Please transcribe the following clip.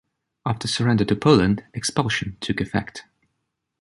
After surrender to Poland, expulsion took effect.